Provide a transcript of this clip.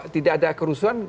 bisa tidak terjadi kriminalisasi